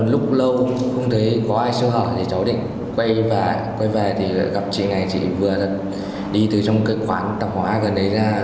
lúc lâu không thấy có ai sơ hỏi thì cháu định quay về quay về thì gặp chị này chị vừa đi từ trong cái quán tạp hóa gần ấy ra